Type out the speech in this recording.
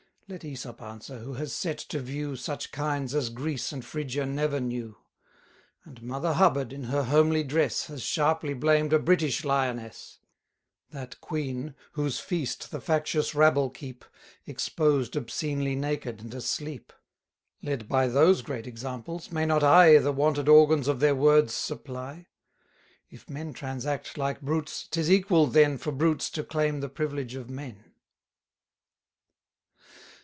Let Æsop answer, who has set to view Such kinds as Greece and Phrygia never knew; And mother Hubbard, in her homely dress, Has sharply blamed a British Lioness; That queen, whose feast the factious rabble keep, 10 Exposed obscenely naked and asleep. Led by those great examples, may not I The wanted organs of their words supply? If men transact like brutes, 'tis equal then For brutes to claim the privilege of men.